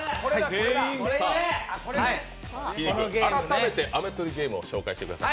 きんに君、改めて飴取りゲームを紹介してください。